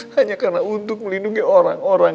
hanya karena untuk melindungi orang orang